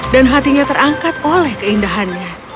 dan hatinya terangkat oleh keindahannya